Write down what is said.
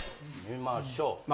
見ましょう。